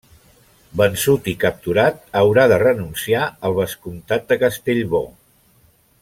Vençut i capturat, haurà de renunciar al vescomtat de Castellbò.